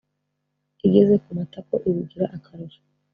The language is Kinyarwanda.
igeze ku matako ibigira akarusho,